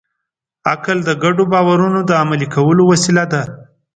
عقل د ګډو باورونو د عملي کولو وسیله ده.